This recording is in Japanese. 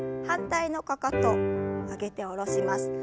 反対のかかと上げて下ろします。